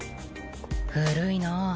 古いなあ